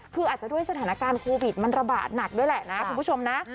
คืออาจจะด้วยสถานการณ์โควิดมันระบาดหนักด้วยแหละนะคุณผู้ชมนะ